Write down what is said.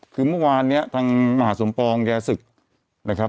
คือเมื่อวานเนี่ยทางมหาสมปองยาศึกนะครับ